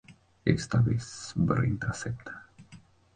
Esta vez, Bertha acepta.